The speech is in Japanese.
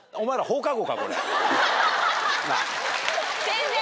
先生！